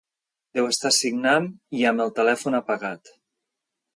Deu estar signant i amb el telèfon apagat.